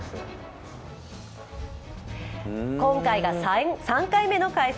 今回が３回目の開催。